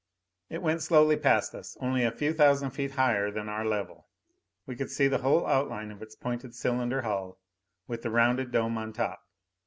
It went slowly past us, only a few thousand feet higher than our level. We could see the whole outline of its pointed cylinder hull, with the rounded dome on top.